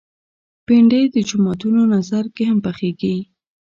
بېنډۍ د جوماتونو نذر کې هم پخېږي